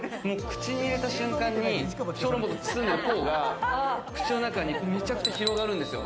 口に入れた瞬間に小籠包の包んでるポーが、口の中にめちゃくちゃ広がるんですよ。